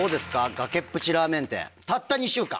崖っぷちラーメン店たった２週間。